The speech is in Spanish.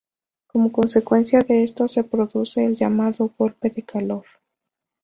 Como consecuencia de esto se produce el llamado golpe de calor.